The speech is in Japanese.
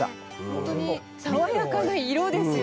ほんとに爽やかな色ですよね。